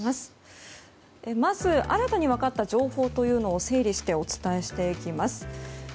まず新たに分かった情報を整理してお伝えしていきます。